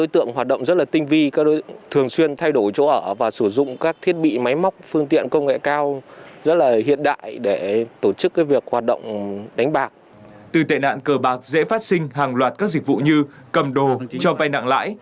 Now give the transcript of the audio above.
từ tệ nạn cờ bạc dễ phát sinh hàng loạt các dịch vụ như cầm đồ cho vai nặng lãi